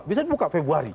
bisa dibuka februari